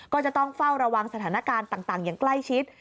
ก็จะต้องเฝ้าระวังสถานการณ์ต่างอย่างใกล้ชิด